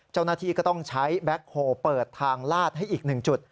เจ้าหน้าที่ก็ต้องใช้แบ็คโฮลเปิดทางลาดให้อีก๑จุด